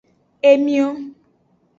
Emio.